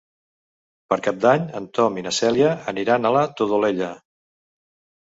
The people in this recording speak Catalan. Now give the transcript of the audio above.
Per Cap d'Any en Tom i na Cèlia aniran a la Todolella.